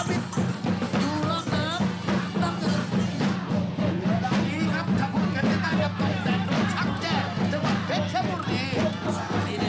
ที่ได้เป็นตัวจังการเกลี่ยมอายุ๑๒ประหลาด๑๕ประมาณนี้